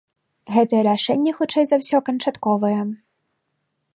Гэтае рашэнне хутчэй за ўсё канчатковае.